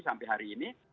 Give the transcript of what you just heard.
sampai hari ini